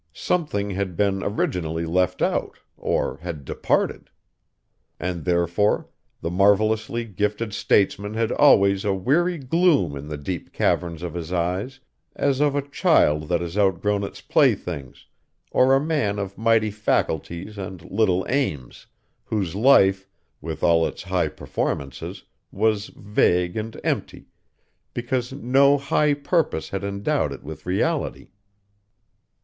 Something had been originally left out, or had departed. And therefore the marvellously gifted statesman had always a weary gloom in the deep caverns of his eyes, as of a child that has outgrown its playthings or a man of mighty faculties and little aims, whose life, with all its high performances, was vague and empty, because no high purpose had endowed it with reality.